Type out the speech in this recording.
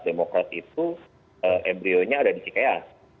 demokrat itu embryonya ada di cikeas